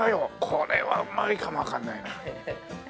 これはうまいかもわかんないな。